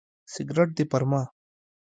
سګرټ دې پر ما.